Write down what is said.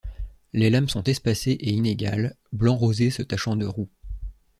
Les lames sont espacées et inégales, blanc-rosé se tachant de roux.